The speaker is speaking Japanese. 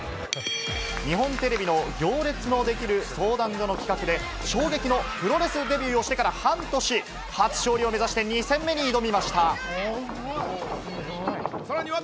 日本テレビの『行列のできる相談所』の企画で衝撃のプロレスデビューをしてから半年、初勝利を目指して、２戦目に挑みました。